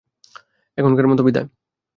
এখনকার মতো বিদায়!